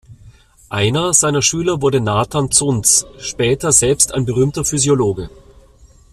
Einer seiner Schüler wurde Nathan Zuntz, später selbst ein berühmter Physiologe.